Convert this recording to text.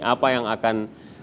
apa yang akan